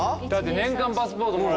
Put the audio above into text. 年間パスポートもらえるで。